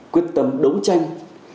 quyết tâm đống tranh